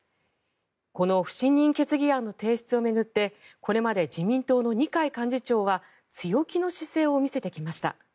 この不信任決議案の提出を巡ってこれまで自民党の二階幹事長は強気の姿勢を見せてきました。